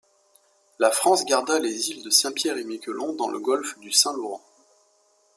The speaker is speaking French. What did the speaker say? La France garda les îles de Saint-Pierre-et-Miquelon dans le Golfe du Saint-Laurent.